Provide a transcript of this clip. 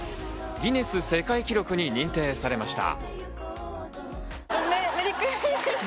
ギネス世界記録に認定されました。